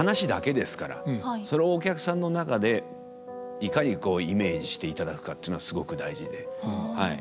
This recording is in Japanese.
それをお客さんの中でいかにこうイメージしていただくかっていうのがすごく大事ではい。